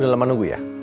udah lama nunggu ya